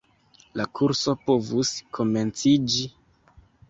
La kurso povus komenciĝi.